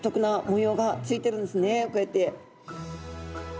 こうやって。